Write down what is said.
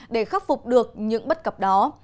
để khắc phục được những bất cập đó